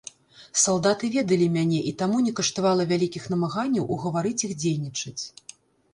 Салдаты ведалі мяне, і таму не каштавала вялікіх намаганняў угаварыць іх дзейнічаць.